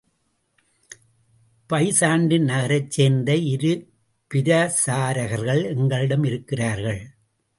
பைசாண்டின் நகரைச்சேர்ந்த இரு பிரசாரகர்கள் எங்களிடம் இருக்கிறார்கள்.